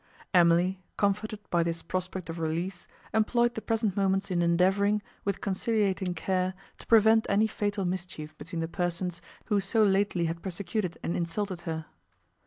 Emily, comforted by this prospect of release, employed the present moments in endeavouring, with conciliating care, to prevent any fatal mischief between the persons who so lately had persecuted and insulted her.